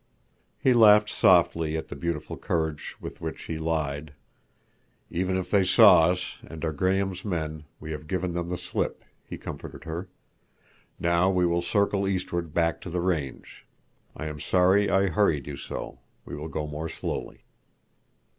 He laughed softly at the beautiful courage with which she lied. "Even if they saw us, and are Graham's men, we have given them the slip," he comforted her. "Now we will circle eastward back to the range. I am sorry I hurried you so. We will go more slowly."